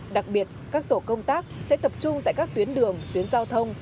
đặc biệt các tổ công tác sẽ tập trung tại các tuyến đường tuyến giao thông